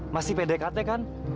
masih pdkt kan